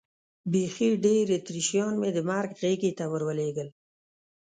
بیخي ډېر اتریشیان مې د مرګ غېږې ته ور ولېږل.